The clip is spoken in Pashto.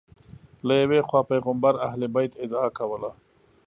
له یوې خوا پیغمبر اهل بیت ادعا کوله